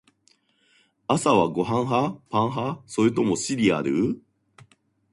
朝はご飯派？パン派？それともシリアル？